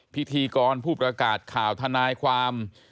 พิธีกรผู้ประกาศข่าวทนายความ